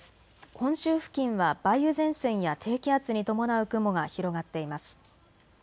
本州付近は梅雨前線や低気圧に伴う雲が広がっています。